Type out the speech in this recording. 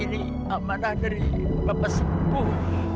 ini amanah dari bapak sepuh